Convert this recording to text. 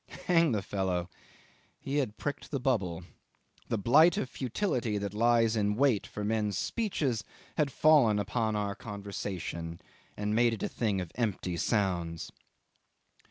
Hang the fellow! he had pricked the bubble. The blight of futility that lies in wait for men's speeches had fallen upon our conversation, and made it a thing of empty sounds.